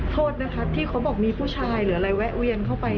โทษนะคะที่เขาบอกมีผู้ชายหรืออะไรแวะเวียนเข้าไป